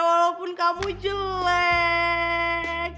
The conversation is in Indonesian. walaupun kamu jelek